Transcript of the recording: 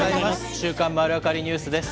週刊まるわかりニュースです。